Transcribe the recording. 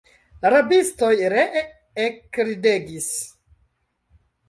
La rabistoj ree ekridegis.